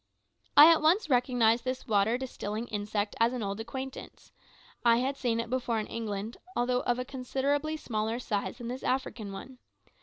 I at once recognised this water distilling insect as an old acquaintance. I had seen it before in England, although of a considerably smaller size than this African one.